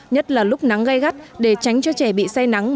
nhất là lúc nắng gai gắt để tránh cho trẻ bị say nắng